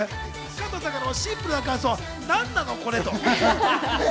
加藤さんのシンプルな感想、「何なの？これ」って。